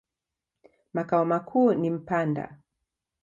Makao makuu ni Mpanda.